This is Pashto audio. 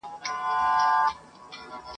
چي په خره پسي د اوښ کتار روان سي ,